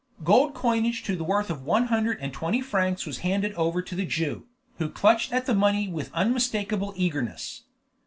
Gold coinage to the worth of one hundred and twenty francs was handed over to the Jew, who clutched at the money with unmistakable eagerness.